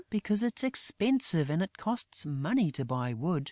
"Because it's expensive; and it costs money to buy wood...."